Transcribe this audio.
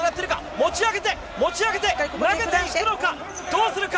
持ち上げて、持ち上げて、投げていくのか、どうするか？